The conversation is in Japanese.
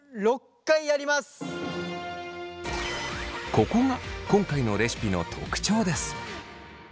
ここが今回のレシピの特徴です。